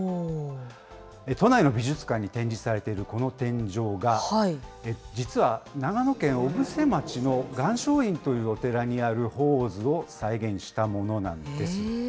都内の美術館に展示されているこの天井画、実は、長野県小布施町の岩松院というお寺にある鳳凰図を再現したものなんです。